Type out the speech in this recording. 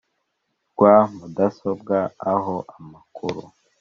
rwa mudasobwa aho amakuru